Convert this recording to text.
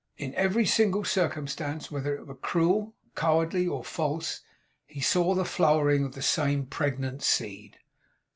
In every single circumstance, whether it were cruel, cowardly, or false, he saw the flowering of the same pregnant seed.